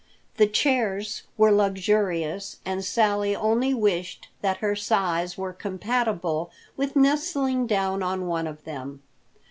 The chairs were luxurious, and Sally only wished that her size were compatible with nestling down on one of them.